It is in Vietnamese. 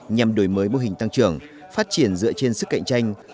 nhằm đổi mới mô hình tăng trưởng phát triển dựa trên sức cạnh tranh